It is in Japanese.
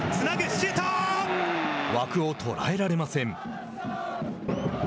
枠を捉えられません。